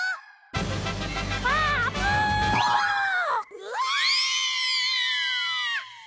うわ！